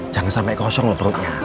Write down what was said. jangan sampai kosong loh perutnya